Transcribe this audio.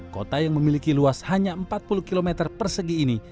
kota yang memiliki luas hanya empat puluh km persegi ini